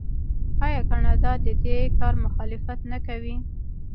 آیا کاناډا د دې کار مخالفت نه کوي؟